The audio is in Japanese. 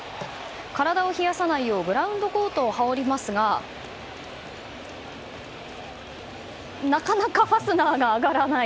体を冷やさないようにグラウンドコートを羽織りますがなかなかファスナーが上がらない。